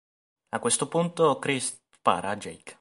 A questo punto Chris spara a Jake.